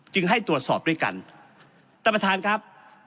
ให้ตรวจสอบด้วยกันท่านประธานครับ